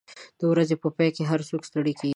د ورځې په پای کې هر څوک ستړي کېږي.